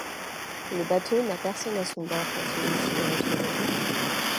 Le bateau n'a personne à son bord quand celui-ci est retrouvé.